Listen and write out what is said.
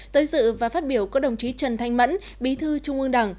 tới dự và phát biểu có đồng chí trần thanh mẫn bí thư trung ương đảng